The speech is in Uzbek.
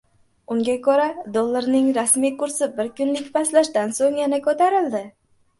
Unga ko‘ra, dollarning rasmiy kursi bir kunlik pastlashdan so‘ng yana ko‘tarildi